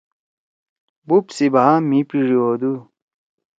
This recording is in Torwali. بوپ سی بھا مھی پیِڙی ہودُو۔